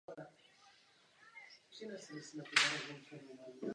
Cílem hry je sestřelit nepřítele.